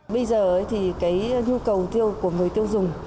bây giờ thì cái nhu cầu tiêu của người tiêu dùng